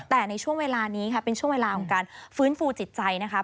แต่ในช่วงเวลานี้ค่ะเป็นช่วงเวลาของการฟื้นฟูจิตใจนะคะ